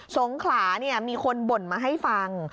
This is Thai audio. สงขลาเนี่ยมีคนบ่นมาให้ฟัง